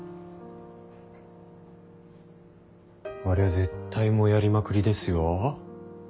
あれは絶対モヤりまくりですよ。